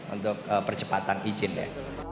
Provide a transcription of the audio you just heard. untuk percepatan izinnya